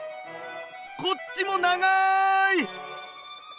こっちも長い。